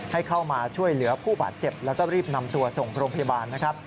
ให้เข้ามาช่วยเหลือผู้บาดเจ็บแล้วก็รีบนำตัวส่งโรงพยาบาลนะครับ